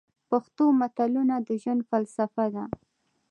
پښتو متلونه د ژوند فلسفه ده.